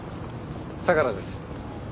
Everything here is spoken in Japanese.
相良です。